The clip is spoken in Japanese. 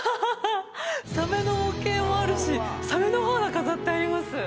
サメの模型もあるしサメの歯が飾ってあります